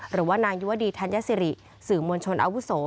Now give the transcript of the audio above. หรือว่านางยุวดีธัญสิริสื่อมวลชนอาวุโส